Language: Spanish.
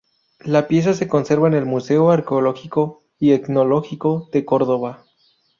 La pieza se conserva en el Museo Arqueológico y Etnológico de Córdoba.